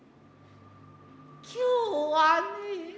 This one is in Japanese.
今日はね